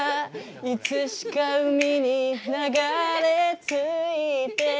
「いつしか海に流れ着いて光って」